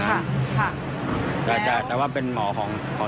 แล้วน้องก็ทานไปวันนั้นร่วมกับตอนเย็น